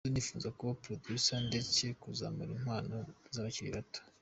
Nahoze nifuza kuba Producer ndetse nkazamura impano z’abakiri bato.